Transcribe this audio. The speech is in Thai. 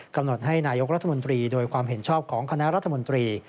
กำหนดให้นายกรัฐมนตรีโดยความเห็นชอบของคณะรัฐมนตรี